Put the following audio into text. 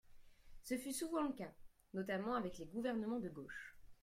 Ce fut souvent le cas, notamment avec les gouvernements de gauche.